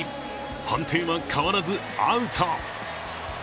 判定は変わらずアウト。